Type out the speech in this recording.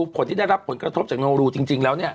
ผลที่ได้รับผลกระทบจากโนรูจริงแล้ว